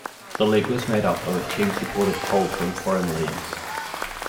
The league was made up of teams imported whole from foreign leagues.